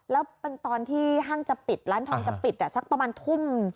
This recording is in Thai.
แล้วครั้งตอนที่ร้านทองจะปิดสักประมาณทุม